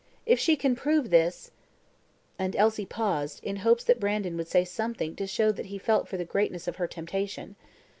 If she can prove this " and Elsie paused, in hopes that Brandon would say something to show that he felt for the greatness of her temptation.